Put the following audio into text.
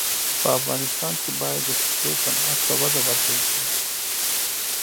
په افغانستان کې باید د ښیښې صنعت ته وده ورکړل سي.